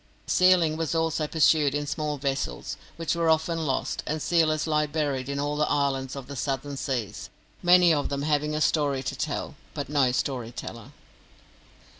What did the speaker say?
Sealing was also pursued in small vessels, which were often lost, and sealers lie buried in all the islands of the southern seas, many of them having a story to tell, but no story teller.